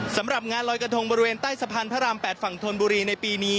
สำหรับงานลอยกระทงบริเวณใต้สะพานพระราม๘ฝั่งธนบุรีในปีนี้